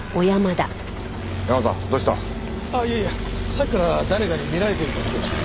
さっきから誰かに見られているような気がして。